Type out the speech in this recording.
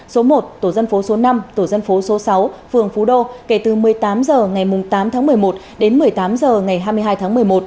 số một tổ dân phố số năm tổ dân phố số sáu phường phú đô kể từ một mươi tám h ngày tám tháng một mươi một đến một mươi tám h ngày hai mươi hai tháng một mươi một